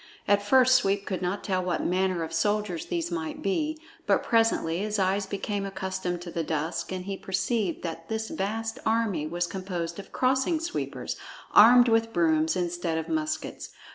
At first Sweep could not tell what manner of soldiers these might be, but presently his eyes became accustomed to the dusk, and he perceived that this vast army was composed of Crossing Sweepers armed with brooms instead of muskets.